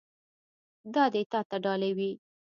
دا دې تا ته ډالۍ وي.